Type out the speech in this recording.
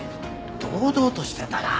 堂々としてたな。